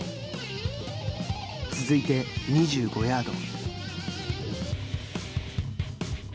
続いて２５ヤード。